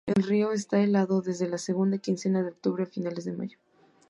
El río está helado desde la segunda quincena de octubre a finales de mayo.